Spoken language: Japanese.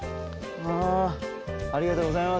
ありがとうございます。